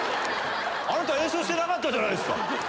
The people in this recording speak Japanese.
あなた演奏してなかったじゃないですか！